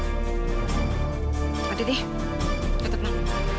pak didi tutup mak